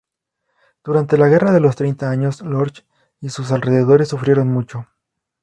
Durante la Guerra de los Treinta Años Lorsch y sus alrededores sufrieron mucho.